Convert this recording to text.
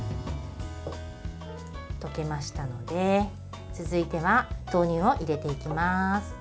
溶けましたので続いては豆乳を入れていきます。